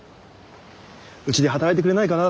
「うちで働いてくれないかな」